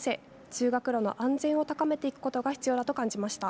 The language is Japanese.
通学路の安全を高めていくことが必要だと感じました。